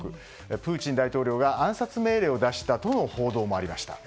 プーチン大統領が暗殺命令を出したとの報道もありました。